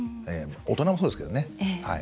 大人もそうですけどね。